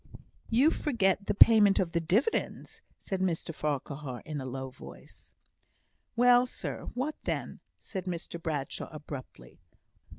"You forget the payment of the dividends," said Mr Farquhar, in a low voice. "Well, sir! what then?" said Mr Bradshaw, abruptly.